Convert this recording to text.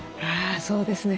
そうですね。